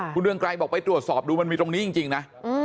คุณเรืองไกรบอกไปตรวจสอบดูมันมีตรงนี้จริงนะ